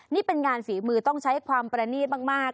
นี่เป็นงานฝีมือต้องใช้ความประนีตมาก